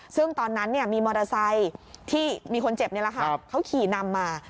ซึ่งตอนนั้นมีมอเตอร์ไซค์ที่มีคนเจ็บเขาขี่นำมา